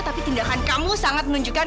tapi tindakan kamu sangat menunjukkan